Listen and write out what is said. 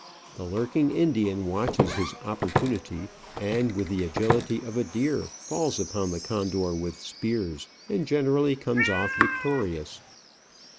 The lurking Indian watches his opportunity, and with the agility of a deer falls upon the condor with spears, and generally comes off victorious.